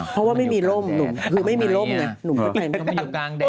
เพราะว่าไม่มีลมคือไม่มีลมอยู่กลางแดด